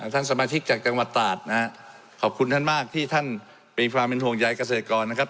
ท่านสมาชิกจากจังหวัดตราดนะฮะขอบคุณท่านมากที่ท่านมีความเป็นห่วงใยเกษตรกรนะครับ